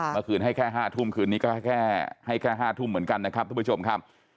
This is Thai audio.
เมื่อคืนให้แค่๕ทุ่มคืนนี้ก็แค่ให้แค่๕ทุ่มเหมือนกันนะครับทุกผู้ชมครับ